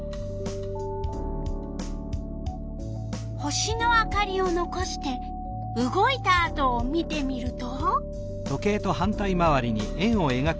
星の明かりをのこして動いたあとを見てみると？